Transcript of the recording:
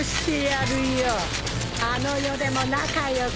あの世でも仲良くやんな。